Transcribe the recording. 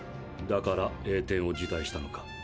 だから栄転を辞退したのか？